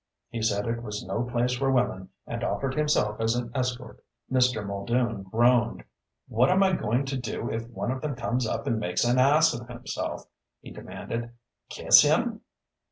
He said it was no place for women and offered himself as an escort." Mr. Muldoon groaned. "What am I going to do if one of them comes up and makes an ass of himself?" he demanded. "Kiss him?"